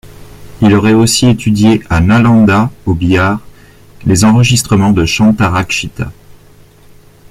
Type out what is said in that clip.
Il aurait aussi étudié à Nâlandâ au Bihar les enseignements de Shantarâkshita.